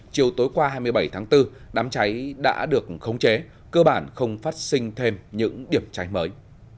chiều tối qua hai mươi bảy tháng bốn đám cháy đã được khống chế cơ bản không phát sinh thêm những điểm cháy mới